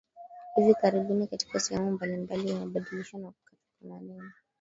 Hivi karibuni katika sehemu mbalimbali imebadilishwa na kukatwa kwa maneno